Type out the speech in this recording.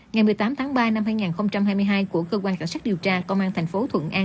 ngày một mươi tám tháng ba năm hai nghìn hai mươi hai của cơ quan cảnh sát điều tra công an thành phố thuận an